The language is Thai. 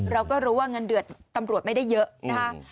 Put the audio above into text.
เราก็รู้ว่าเงินเดือดตำรวจไม่ได้เยอะนะคะ